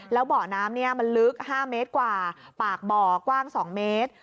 แล้วบ่อน้ำมันลึก๕เมตรกว่าปากบ่อกว้าง๒เมตร